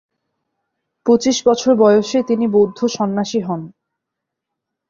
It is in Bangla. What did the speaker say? পঁচিশ বছর বয়সে তিনি বৌদ্ধ সন্ন্যাসী হন।